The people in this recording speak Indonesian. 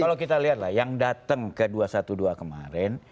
kalau kita lihat lah yang datang ke dua ratus dua belas kemarin